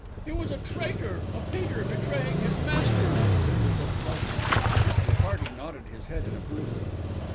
"He was a traitor, a Peter betraying his master." Bindle looked puzzled, Mr. Hearty nodded his head in approval.